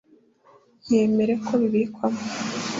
nkemere ko bibikwamo